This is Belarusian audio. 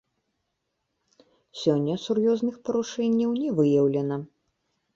Сёння сур'ёзных парушэнняў не выяўлена.